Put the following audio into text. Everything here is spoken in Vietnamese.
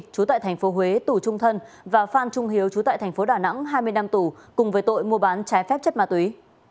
chú tại tp huế tù trung thân và phan trung hiếu chú tại tp đà nẵng hai mươi năm tù cùng với tội mua bán trái phép chất ma túy